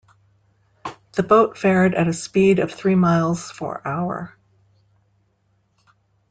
The boat fared at the speed of three miles for hour.